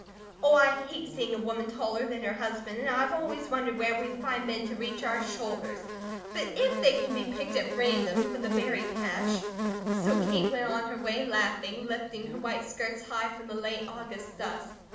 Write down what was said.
"Oh, I hate seeing a woman taller than her husband and I've always wondered where we'd find men to reach our shoulders. But if they can be picked at random from the berry patch " So Kate went on her way laughing, lifting her white skirts high from the late August dust.